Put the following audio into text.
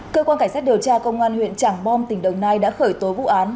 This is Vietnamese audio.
cơ quan cảnh sát điều tra công an huyện trảng bom tỉnh đồng nai đã khởi tố vụ án